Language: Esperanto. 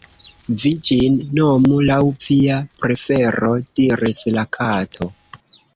"Vi ĝin nomu laŭ via prefero," diris la Kato.